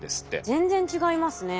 全然違いますね。